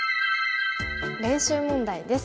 練習問題です。